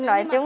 tôi nói chung